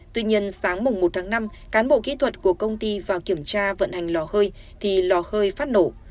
tuy nhiên sáng một tháng năm cán bộ kỹ thuật của công ty vào kiểm tra vận hành lò hơi thì lò hơi phát nổ